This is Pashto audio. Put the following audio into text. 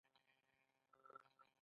عملي نظرونه ساتل کیږي او ثبتیږي.